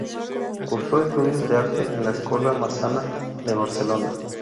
Cursó estudios de arte en la Escola Massana de Barcelona.